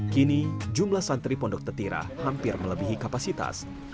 kini jumlah santri pondok tetira hampir melebihi kapasitas